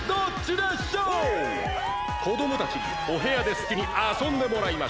こどもたちにお部屋ですきにあそんでもらいました。